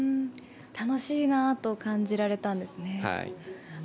楽しいなと感じられたんですね。